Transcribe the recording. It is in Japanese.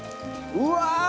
うわ！